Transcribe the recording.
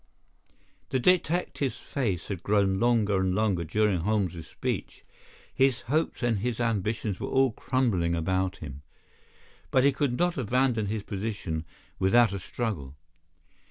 The detective's face had grown longer and longer during Holmes's speech. His hopes and his ambitions were all crumbling about him. But he would not abandon his position without a struggle.